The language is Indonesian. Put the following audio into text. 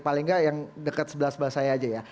paling nggak yang dekat sebelah sebelah saya aja ya